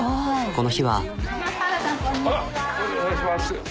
この日は。